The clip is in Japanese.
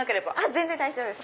全然大丈夫です。